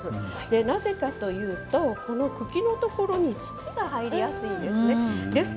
なぜかというと茎のところに土が入りやすいですね。